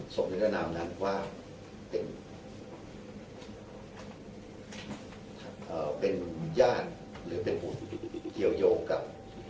ศพเด็กทานาวนั้นว่าเป็นย่านหรือเป็นผู้เกี่ยวยงกับ